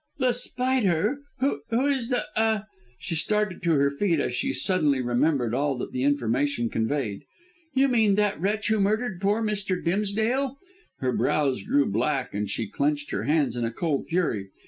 "The Spider? Who is The ah!" She started to her feet as she suddenly remembered all that the information conveyed. "You mean that wretch who murdered poor Mr. Dimsdale?" Her brows grew black and she clenched her hands in a cold fury.